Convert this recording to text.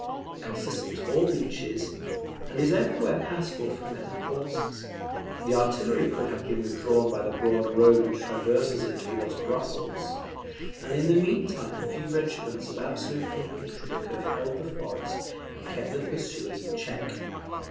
It consists of tall beeches, and is everywhere passable for men and horses. The artillery could have been withdrawn by the broad road which traverses it towards Brussels; and in the meanwhile a few regiments of resolute infantry could have held the forest and kept the pursuers in check.